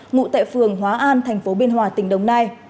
ngụ tại phường hóa an tp biên hòa tỉnh đồng nai